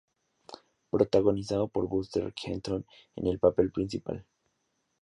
Protagonizado por Buster Keaton en el papel principal.